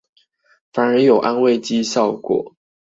反而有安慰劑效果